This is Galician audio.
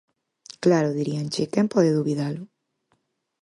Claro, diríanche, quen pode dubidalo?